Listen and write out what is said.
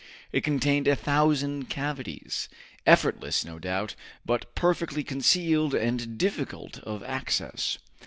It contained a thousand cavities, comfortless no doubt, but perfectly concealed and difficult of access.